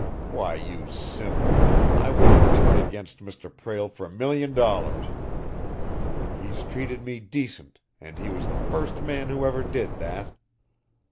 Why, you simp, I wouldn't turn against Mr. Prale for a million dollars! He's treated me decent, and he was the first man who ever did that!